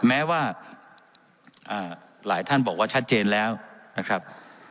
แม้ว่าหลายท่านบอกว่าชัดเจนแล้วนะครับ